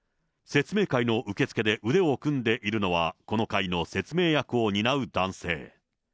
説明会の受付で腕を組んでいるのは、この会の説明役を担う男性。